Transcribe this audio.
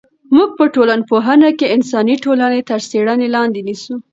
موږ په ټولنپوهنه کې انساني ټولنې تر څېړنې لاندې نیسو.